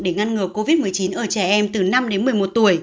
để ngăn ngừa covid một mươi chín ở trẻ em từ năm đến một mươi một tuổi